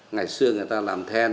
ngày xưa người ta làm then